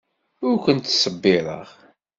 Ur kent-ttṣebbireɣ.